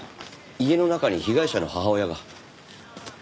家の中に被害者の母親が。